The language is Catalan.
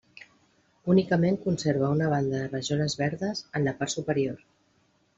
Únicament conserva una banda de rajoles verdes en la part superior.